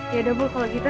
ya udah bu kalau gitu